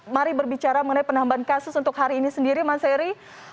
mari berbicara mengenai penambahan kasus untuk hari ini sendiri mas heri